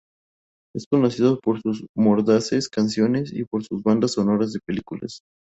Es conocido por sus mordaces canciones y por sus bandas sonoras de películas.